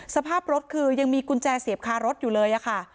สภาพรถคือยังมีกุญแจเสียบคารถอยู่เลยค่ะ